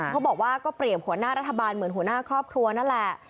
เขาบอกว่าก็เปรียบหัวหน้ารัฐบาลเหมือนหัวหน้าครอบครัวนั่นแหละ